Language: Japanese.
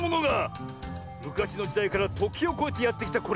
むかしのじだいからときをこえてやってきたこれ。